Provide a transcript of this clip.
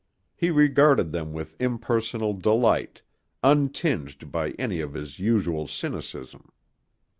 He regarded them with impersonal delight, untinged by any of his usual cynicism.